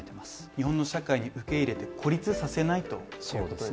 日本の社会に受け入れて孤立させないと。